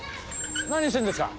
何してんですか？